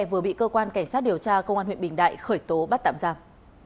vừa bị cơ quan cảnh sát điều tra công an huyện bình đại khởi tố bắt tạm giam